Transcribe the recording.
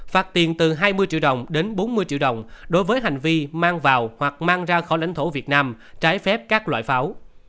phạt tiền từ hai mươi triệu đồng đến bốn mươi triệu đồng đối với hành vi mang vào hoặc mang ra khỏi lãnh thổ việt nam trái phép các loại pháo